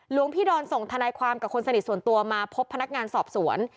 หลวงพี่ดอนส่งทนายความกับคนสนิทส่วนตัวมาพบพนักงานสอบสวน